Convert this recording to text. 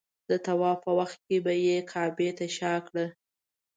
د طواف په وخت به یې کعبې ته شا کړه.